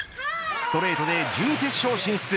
ストレートで準決勝進出。